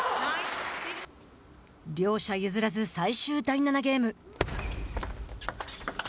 両者譲らず、最終第７ゲーム。